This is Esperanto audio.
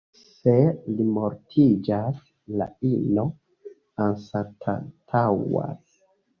Se li mortiĝas, la ino anstataŭas.